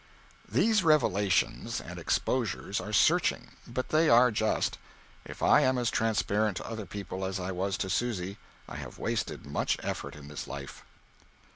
These revelations and exposures are searching, but they are just If I am as transparent to other people as I was to Susy, I have wasted much effort in this life.